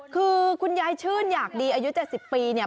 คือคุณยายชื่นอยากดีอายุ๗๐ปีเนี่ย